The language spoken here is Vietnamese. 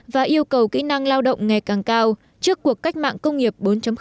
và yêu cầu kỹ năng lao động ngày càng cao trước cuộc cách mạng công nghiệp bốn